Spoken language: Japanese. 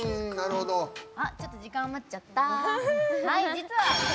ちょっと時間余っちゃった。